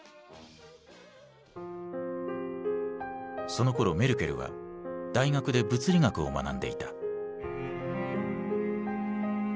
そのころメルケルは大学で物理学を学んでいた。